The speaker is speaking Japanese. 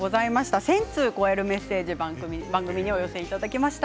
１０００通を超えるメッセージ番組にお寄せいただきました。